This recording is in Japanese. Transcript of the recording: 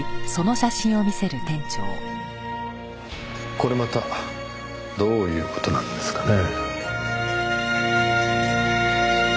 これまたどういう事なんですかね？